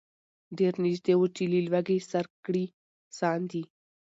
ډېر نیژدې وو چي له لوږي سر کړي ساندي